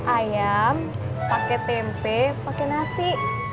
ayam pake tempe pake nasi